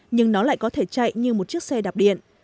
nhưng nó lại có thể chạy như một chiếc xe đạp điện